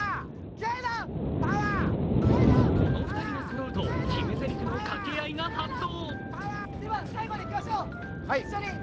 この２人がそろうと決めぜりふの掛け合いが発動。